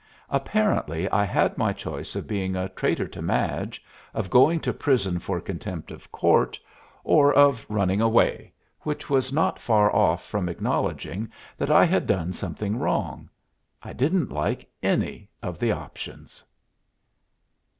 Apparently I had my choice of being a traitor to Madge, of going to prison for contempt of court, or of running away, which was not far off from acknowledging that I had done something wrong. I didn't like any one of the options.